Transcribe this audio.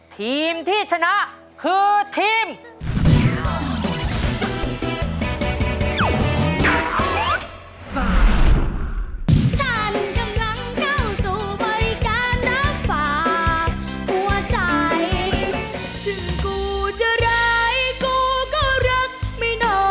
ทีมที่ชนะคือทีม